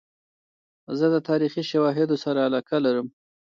زه د تاریخي شواهدو سره علاقه لرم.